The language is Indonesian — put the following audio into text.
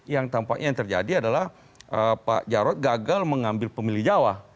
yang tampaknya yang terjadi adalah pak jarod gagal mengambil pemilih jawa